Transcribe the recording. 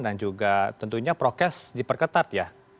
dan juga tentunya prokes diperketat ya